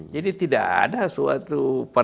jadi tidak ada suatu